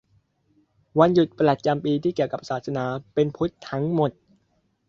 - วันหยุดประจำปี ที่เกี่ยวกับศาสนา เป็นพุทธทั้งหมด